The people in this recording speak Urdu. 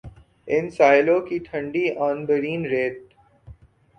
ان ساحلوں کی ٹھنڈی عنبرین ریت